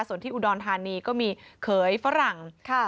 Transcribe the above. ส่วนที่อุดรธานีก็มีเขยฝรั่ง